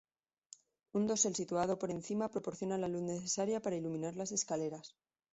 Un dosel situado por encima proporciona la luz necesaria para iluminar las escaleras.